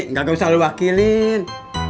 nggak usah lu wakilin